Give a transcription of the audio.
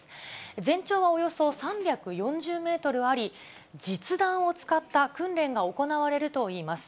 全長はおよそ３４０メートルあり、実弾を使った訓練が行われるといいます。